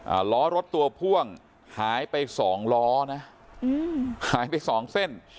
ล้อรถตัวพ่วงหายไปสองล้อนะอืมหายไปสองเส้น